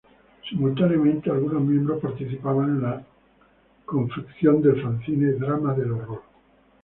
Simultáneamente, algunos miembros participaban en la confección del fanzine "Drama del Horror".